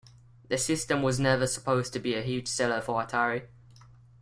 The system was never supposed to be a huge seller for Atari.